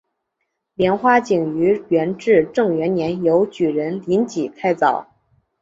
莲花井于元至正元年由举人林济开凿。